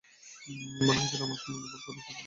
মনে হয়েছিল আমার সম্বন্ধে ভুল করলেন, সে ভুল ধরা পড়বে।